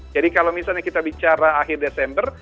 jadi kalau misalnya kita bicara akhir desember